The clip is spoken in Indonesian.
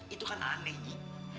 itu kan aneh nyi